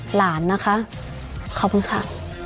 หลานนะคะขอบคุณค่ะ